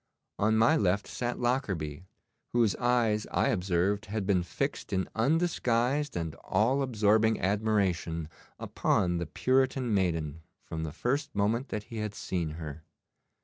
On my left sat Lockarby, whose eyes I observed had been fixed in undisguised and all absorbing admiration upon the Puritan maiden from the first moment that he had seen her.